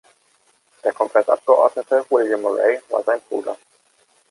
Der Kongressabgeordnete William Murray war sein Bruder.